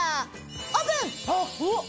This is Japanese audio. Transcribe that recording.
オープン！え！